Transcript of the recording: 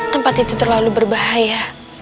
tempat itu terlalu berbahaya